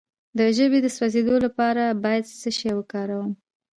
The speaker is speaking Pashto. د ژبې د سوځیدو لپاره باید څه شی وکاروم؟